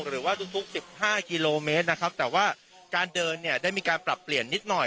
หรือว่าทุกทุกสิบห้ากิโลเมตรนะครับแต่ว่าการเดินเนี่ยได้มีการปรับเปลี่ยนนิดหน่อย